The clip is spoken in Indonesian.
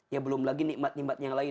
ya belum lagi nikmat nikmat yang lain